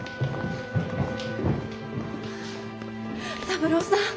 三郎さん